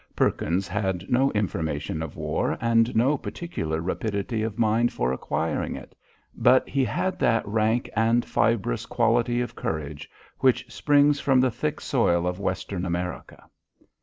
Perkins had no information of war, and no particular rapidity of mind for acquiring it, but he had that rank and fibrous quality of courage which springs from the thick soil of Western America.